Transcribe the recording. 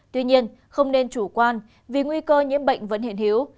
tuy nhiên không nên chủ quan vì nguy cơ nhiễm bệnh vẫn hiện hiếu